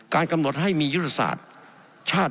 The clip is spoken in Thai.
กำหนดให้มียุทธศาสตร์ชาติ